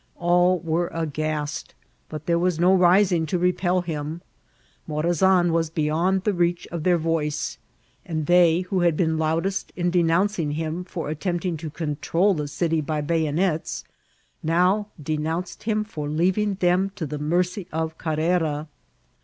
All were aghast, but there was no rising to repel him. M^azan was beyond the reach of their voice, and they who had been loudest in denouncing him for attempting to control the city by bayonets now denounced him for leaving them to the mercy of Oar« rera.